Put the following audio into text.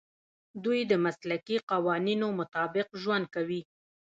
دوی د مسلکي قوانینو مطابق ژوند کوي.